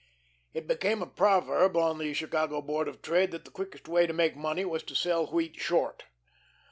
It became a proverb on the Chicago Board of Trade that the quickest way to make money was to sell wheat short.